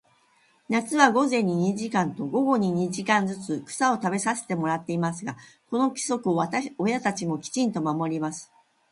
夏は午前に二時間と、午後に二時間ずつ、草を食べさせてもらいますが、この規則を親たちもきちんと守ります。